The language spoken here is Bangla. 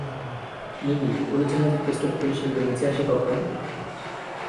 মিমি, উড়োজাহাজে প্রসাব করলে সেগুলো নিচে আসে কখন?